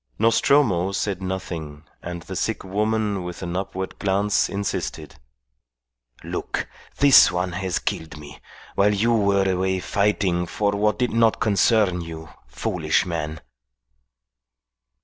Nostromo said nothing, and the sick woman with an upward glance insisted. "Look, this one has killed me, while you were away fighting for what did not concern you, foolish man."